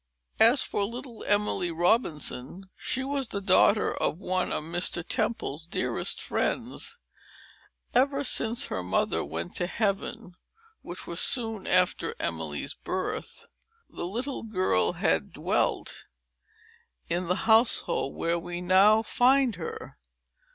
As for little Emily Robinson, she was the daughter of one of Mr. Temple's dearest friends. Ever since her mother went to Heaven, (which was soon after Emily's birth,) the little girl had dwelt in the household where we now find her.